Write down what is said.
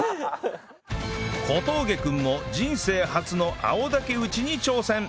小峠君も人生初の青竹打ちに挑戦